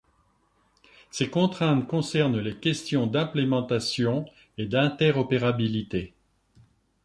Ces contraintes concernent les questions d'implémentations et d'interopérabilité.